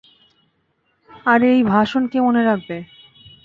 আর এই ভাষণ কে মনে রাখবে।